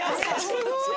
すごい。